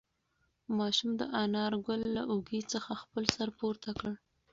ماشوم د انارګل له اوږې څخه خپل سر پورته کړ.